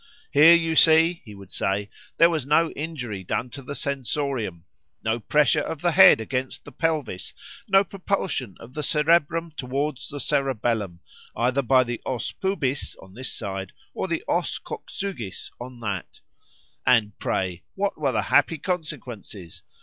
Here you see, he would say, there was no injury done to the sensorium;—no pressure of the head against the pelvis;——no propulsion of the cerebrum towards the cerebellum, either by the os pubis on this side, or os coxygis on that;——and pray, what were the happy consequences?